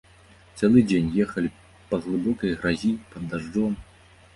Цэлы дзень ехалі па глыбокай гразі пад дажджом.